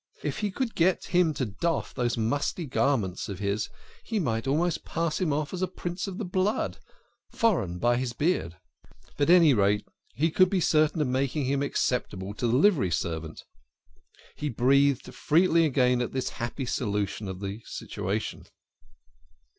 If he could get him to doff those musty garments of his he might almost pass him off as a prince of the blood, foreign by his beard at any rate he could be certain of making him acceptable to the livery servant. He breathed freely again at this happy solution of the situation.